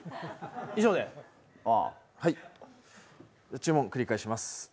注文繰り返します。